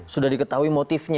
sudah diketahui motifnya